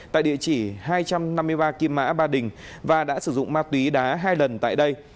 tại địa chỉ hai trăm năm mươi ba kim mã ba đình và đã sử dụng ma túy đá hai lần tại đây